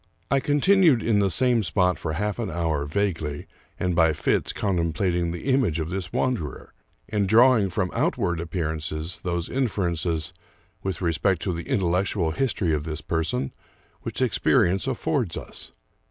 I continued in the same spot for half an hour, vaguely, and by fits,, contemplating the image of this wanderer, and drawing from outward appearances those inferences, with respect to the intellectual history of this person, which ex perience affords us.